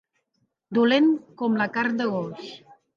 Dolent com la carn de gos.